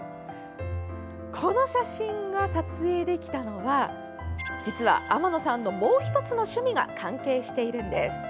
この写真が撮影できたのは実は天野さんのもう１つの趣味が関係しているんです。